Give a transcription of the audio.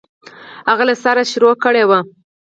هغه له سره شروع کړ.